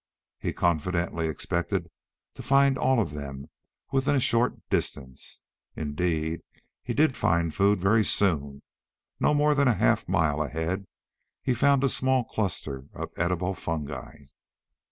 He confidently expected to find all of them within a short distance. Indeed, he did find food very soon. No more than a half mile ahead he found a small cluster of edible fungi.